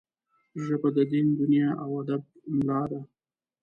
ژبه د دین، دنیا او ادب ملا ده